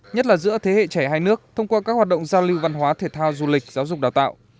nhất là giữa thế hệ trẻ hai nước thông qua các hoạt động giao lưu văn hóa thể thao du lịch giáo dục đào tạo